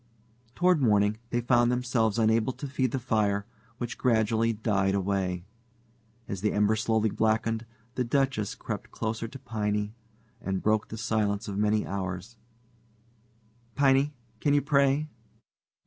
Toward morning they found themselves unable to feed the fire, which gradually died away. As the embers slowly blackened, the Duchess crept closer to Piney, and broke the silence of many hours: "Piney, can you pray?"